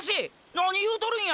何言うとるんや！！